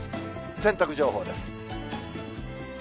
洗濯情報です。